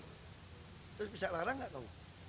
terus bisa larang nggak tahu